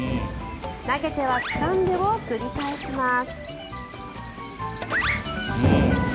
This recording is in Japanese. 投げてはつかんでを繰り返します。